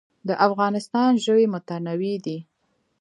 د افغانستان ژوي متنوع دي